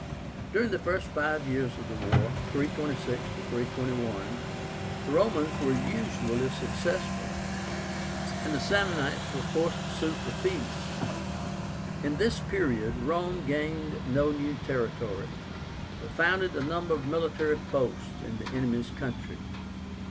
During the first five years of the war (326 321), the Romans were usually successful, and the Samnites were forced to sue for peace. In this period Rome gained no new territory, but founded a number of military posts in the enemy's country.